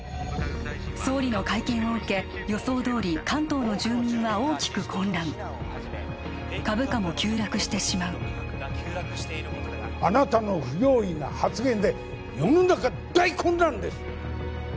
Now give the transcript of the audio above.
総理の会見を受け予想どおり関東の住民は大きく混乱株価も急落してしまうあなたの不用意な発言で世の中大混乱です！